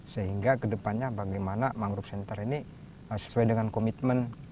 sehingga kedepannya bagaimana mangrove center ini sesuai dengan komitmen